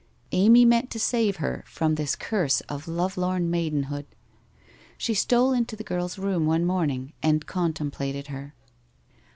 Amy meant to save her from this curse of lovelorn maidenhood. She stole into the girl's room one morning and contem plated her.